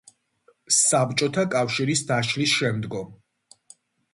საბჭოთა კავშირის დაშლის შემდგომ.